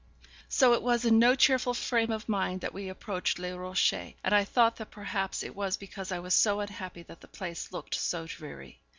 So it was in no cheerful frame of mind that we approached Les Rochers, and I thought that perhaps it was because I was so unhappy that the place looked so dreary.